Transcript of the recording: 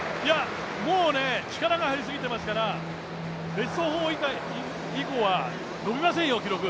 もう力が入りすぎていますからベスト４以降は伸びませんよ。